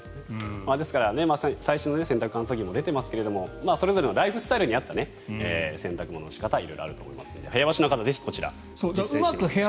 ですから最新の洗濯乾燥機も出ていますがそれぞれのライフスタイルに合った洗濯物の仕方が色々あると思いますので部屋干しの方は実践してください。